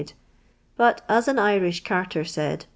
le, but as an Irish carter said.